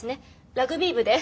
ラグビー部で。